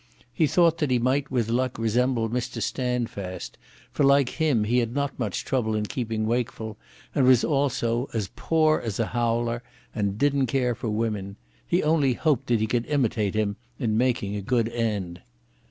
He thought that he might with luck resemble Mr Standfast, for like him he had not much trouble in keeping wakeful, and was also as "poor as a howler", and didn't care for women. He only hoped that he could imitate him in making a good end.